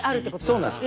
そうなんです。